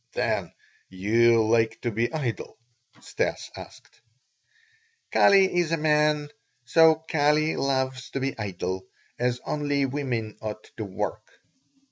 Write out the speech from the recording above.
"Then you like to be idle?" Stas asked. "Kali is a man, so Kali loves to be idle, as only women ought to work."